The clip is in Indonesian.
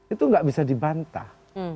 itu nggak bisa dibantah